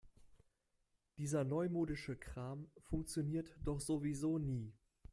Dieser neumodische Kram funktioniert doch sowieso nie.